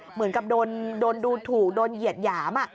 เหมือนกับโดนดูถูกโดนเหยียดหยาม